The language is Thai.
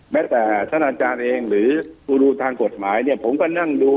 แม้แต่ท่านอาจารย์เองหรือกูรูทางกฎหมายเนี่ยผมก็นั่งดู